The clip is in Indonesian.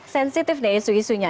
sensitive nih isu isunya